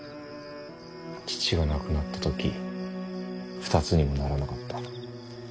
父が亡くなった時２つにもならなかった。